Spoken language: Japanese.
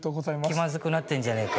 気まずくなってんじゃねえか。